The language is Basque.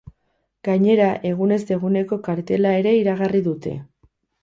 Gainera, egunez eguneko kartela ere iragarri dute.